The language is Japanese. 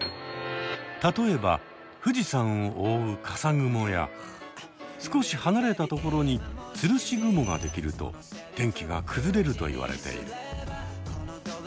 例えば富士山を覆う笠雲や少し離れたところに吊るし雲ができると天気が崩れると言われている。